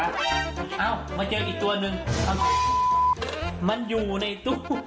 เอ้ามาเจออีกตัวหนึ่งมันอยู่ในตู้